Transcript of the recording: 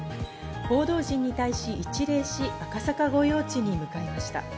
報道陣に対し一礼し、赤坂御用地に向かいました。